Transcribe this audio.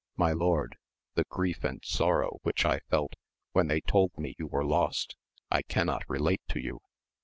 My lord, the grief and sorrow which I felt when they told me you were lost T cannot relate to you.